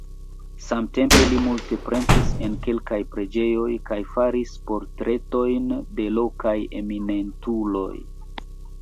Samtempe li multe pentris en kelkaj preĝejoj kaj faris portretojn de lokaj eminentuloj.